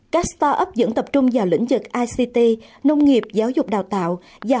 các start up dẫn tập trung vào lĩnh vực ict nông nghiệp giáo dục đào tạo